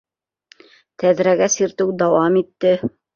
Тәҙрәгә сиртеү дауам итте.